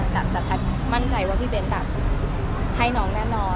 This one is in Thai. แต่แพทย์มั่นใจว่าพี่เบ้นแบบให้น้องแน่นอน